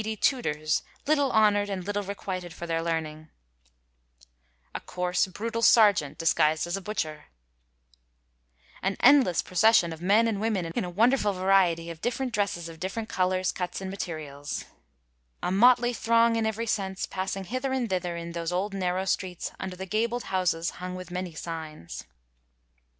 39 SHAKSPERE'S LONDON: STREET SCENES tutors, little honord and little requited for their learning ; a coarse, brutal sergeant, disguised as a butcher ;— ^an endless procession of men and women in a wonderful variety of different dresses of different colors, cuts and materials ;— a motly throng in every sense, passing hither and thither in those old narrow streets under the gabled houses hung with many signs.